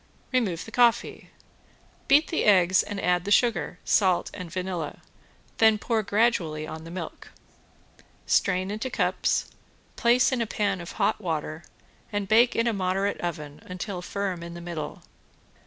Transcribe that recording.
Remove the coffee. Beat the eggs and add the sugar, salt and vanilla, then pour on gradually the milk. Strain into cups, place in a pan of hot water, and bake in a moderate oven until firm in the middle.